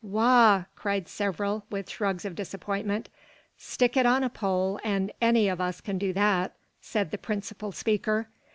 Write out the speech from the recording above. "Wagh!" cried several, with shrugs of disappointment. "Stick it on a pole, and any o' us can do that," said the principal speaker.